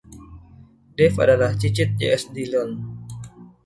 Dave adalah cicit J. S. Dillon.